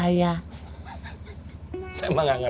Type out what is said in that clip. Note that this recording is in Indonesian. karena disangkanya dokternya tuh anak saya